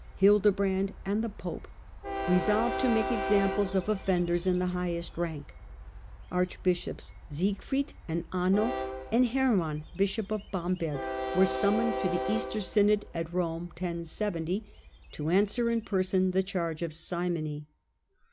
Hilde brand and the pope resolved to make examples of ofienders in the highest rank. Archbishops Siegfiried and Anno, and Herman, bishop of Bamberg, were summoned to the Easter synod at Rome (1070), to answer in person the charge of simony.